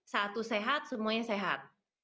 satu sehat semuanya sehat